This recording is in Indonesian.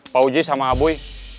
pak uji sama abuy